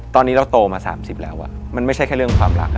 ตอนนี้เราโตมา๓๐แล้วมันไม่ใช่แค่เรื่องความรัก